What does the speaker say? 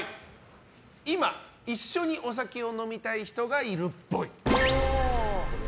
今一緒にお酒を飲みたい人がいるっぽい。